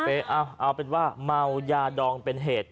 เอาเป็นว่าเมายาดองเป็นเหตุ